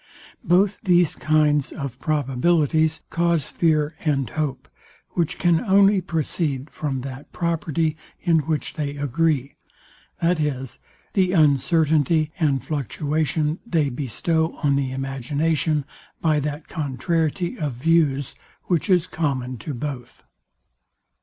Both these kinds of probabilities cause fear and hope; which can only proceed from that property, in which they agree, viz, the uncertainty and fluctuation they bestow on the imagination by that contrariety of views, which is common to both.